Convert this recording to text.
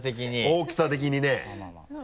大きさ的にね。